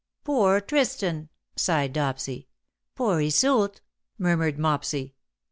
214 " Poor Tristan/^ sighed Dopsy. " Poor Iseult/^ murmured Mopsy.